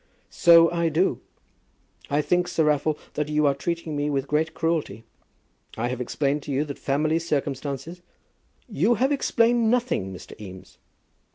"So I do. I think, Sir Raffle, that you are treating me with great cruelty. I have explained to you that family circumstances " "You have explained nothing, Mr. Eames."